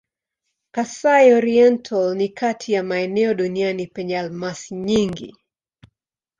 Kasai-Oriental ni kati ya maeneo duniani penye almasi nyingi.